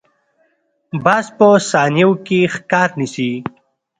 باز په ثانیو کې ښکار نیسي